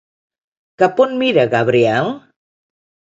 Cap on mira Gabriel?